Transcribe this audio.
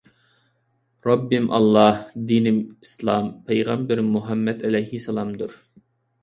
رەببىم ئاللاھ دىنىم ئىسلام پەيغەمبىرىم مۇھەممەد ئەلەيھىسسالام دۇر